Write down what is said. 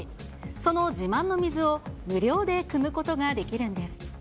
その自慢の水を無料でくむことができるんです。